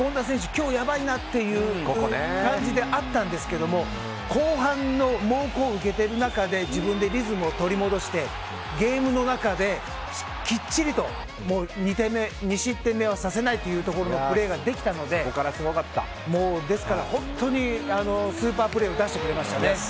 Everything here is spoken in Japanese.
今日やばいなという感じがあったんですけども後半の猛攻を受けている中で自分でリズムを取り戻してゲームの中できっちりと２失点目はさせないというプレーができたので本当にスーパープレーを出してくれましたね。